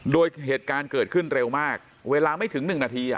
โดยเหตุการณ์เกิดขึ้นเร็วมากเวลาไม่ถึง๑นาที